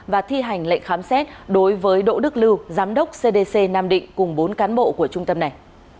và thi hành lệnh khám xét đối với đỗ đức lưu giám đốc cdc nam định cùng bốn cán bộ của trung tâm này